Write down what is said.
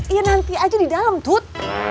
iya nanti aja di dalam tuh